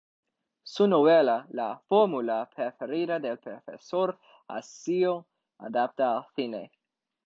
Su novela "La fórmula preferida del profesor" ha sido adaptada al cine.